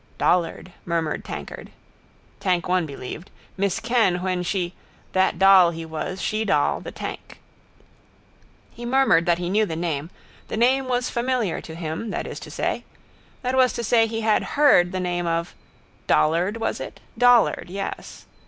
—Dollard, murmured tankard. Tank one believed: miss Kenn when she: that doll he was: she doll: the tank. He murmured that he knew the name. The name was familiar to him, that is to say. That was to say he had heard the name of. Dollard, was it? Dollard, yes.